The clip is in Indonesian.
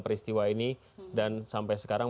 peristiwa ini dan sampai sekarang